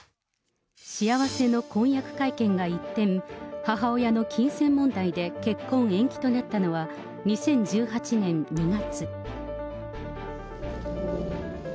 幸せの婚約会見が一転、母親の金銭問題で結婚延期となったのは、２０１８年２月。